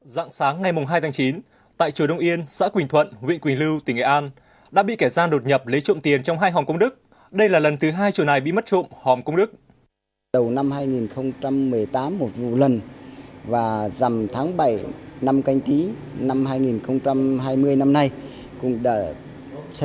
dạng sáng ngày hai tháng chín tại chùa đông yên xã quỳnh thuận huyện quỳnh lưu tỉnh nghệ an đã bị kẻ gian đột nhập lấy trộm tiền trong hai hòm công đức đây là lần thứ hai chủ này bị mất trộm hòm cung đức